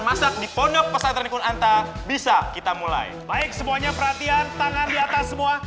masak di pondok pesantren niku anta bisa kita mulai baik semuanya perhatian tangan di atas semua